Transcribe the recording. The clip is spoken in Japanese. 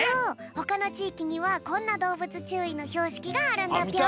ほかのちいきにはこんなどうぶつちゅういのひょうしきがあるんだぴょん。